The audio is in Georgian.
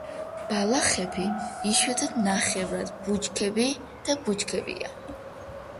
ბალახები, იშვიათად ნახევრად ბუჩქები და ბუჩქებია.